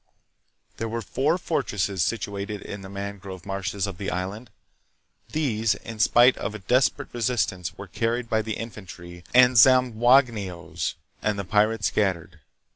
There were four fortresses situated in the mangrove marshes of the island. These, in spite of a desperate resistance, were carried by the infantry and Zamboangue nos, and the pirates scattered.